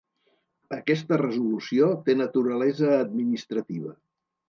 Aquesta resolució té naturalesa administrativa.